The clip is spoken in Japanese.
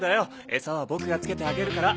エサはボクがつけてあげるから。